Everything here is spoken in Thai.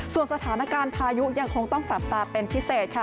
ส่วนสถานการณ์พายุยังคงต้องจับตาเป็นพิเศษค่ะ